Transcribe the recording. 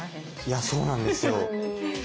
いやそうなんですよ。